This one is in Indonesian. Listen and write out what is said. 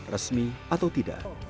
resmi atau tidak